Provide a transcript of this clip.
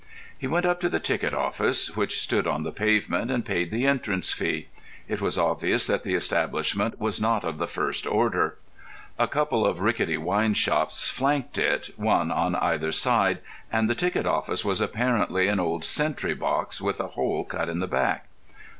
He went up to the ticket office, which stood on the pavement, and paid the entrance fee. It was obvious that the establishment was not of the first order. A couple of rickety wine shops flanked it one on either side, and the ticket office was apparently an old sentry box with a hole cut in the back.